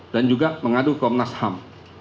dan juga mengadu komnas ham